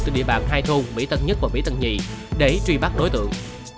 từ địa bàn hai thôn mỹ tân một và mỹ tân hai để truy bắt đối tượng